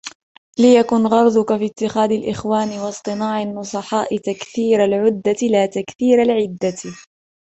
لِيَكُنْ غَرَضُك فِي اتِّخَاذِ الْإِخْوَانِ وَاصْطِنَاعِ النُّصَحَاءِ تَكْثِيرَ الْعُدَّةِ لَا تَكْثِيرَ الْعِدَّةِ